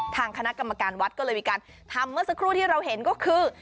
ทางคณะกรรมการวัดก็เลยมีการทำเมื่อสักครู่ที่เราเห็นก็คือ